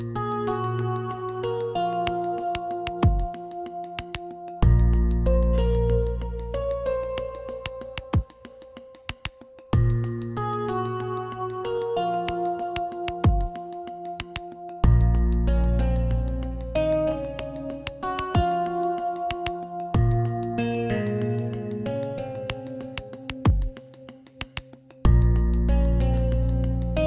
nggak ada yang mencerigakan